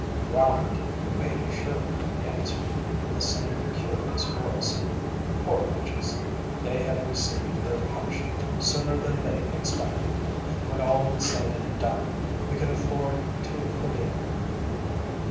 "Drowned, you may be sure," he answered, in the same curious voice. "Poor wretches! they have received their punishment sooner than they expected. When all is said and done, we can afford to forgive them."